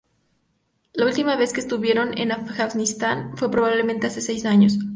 La última vez que estuvieron en Afganistán fue probablemente hace seis años".